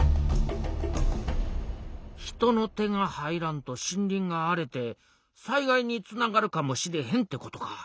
人の手が入らんと森林が荒れて災害につながるかもしれへんってことか。